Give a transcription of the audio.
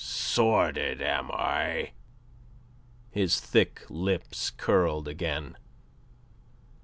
"Sordid, am I?" His thick lips curled again.